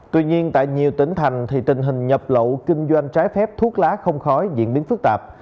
tuy nhiên tại nhiều tỉnh thành thì tình hình nhập lậu kinh doanh trái phép thuốc lá không khói diễn biến phức tạp